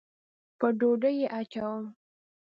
پر ډوډۍ یې اچوم